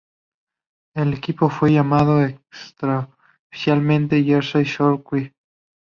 El equipo fue llamado extraoficialmente "Jersey Shore Crew".